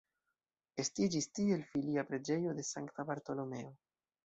Estiĝis tiel filia preĝejo de sankta Bartolomeo.